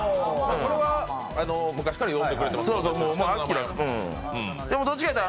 これは昔から呼んでくれてますから。